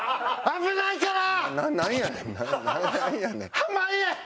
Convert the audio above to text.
危ないから。